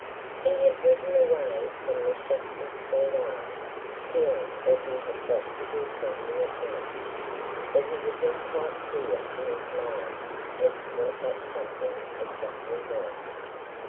He had ridden away from the Saxonsteade Arms feeling that he had got to do something at once, but he was not quite clear in his mind as to what that something exactly was.